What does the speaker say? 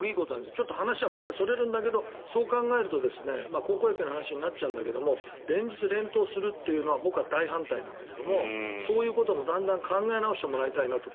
ちょっと話はまたそれるんだけどそう考えると高校野球の話になっちゃうんだけど連日連投するというのは僕は大反対なんだけどそういうことも、だんだん考え直してもらいたいなと。